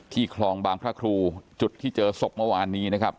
คลองบางพระครูจุดที่เจอศพเมื่อวานนี้นะครับ